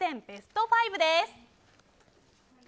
ベスト５です。